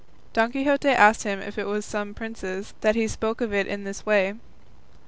Don Quixote asked him if it was some prince's, that he spoke of it in this way.